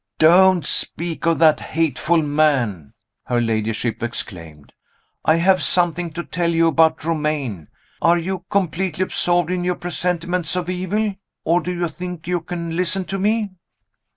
"Don't speak of that hateful man!" her ladyship exclaimed. "I have something to tell you about Romayne. Are you completely absorbed in your presentiments of evil? or do you think you can listen to me?"